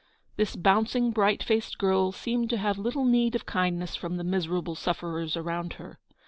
This bouncing, bright faced girl seemed to have little need of kindness from the miserable sufferers around her.